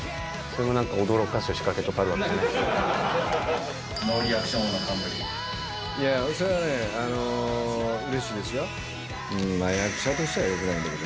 それもなんか驚かす仕掛けとかあるんですか？